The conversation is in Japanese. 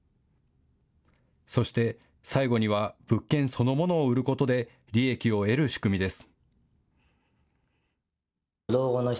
そして最後には物件そのものを売ることで利益を得る仕組みです。